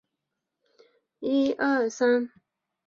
该算法可用来对图像的目标进行定位和计数。